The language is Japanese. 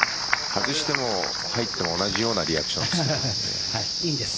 外しても入っても同じようなリアクションです。